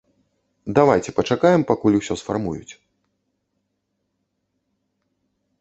Давайце пачакаем, пакуль усё сфармуюць.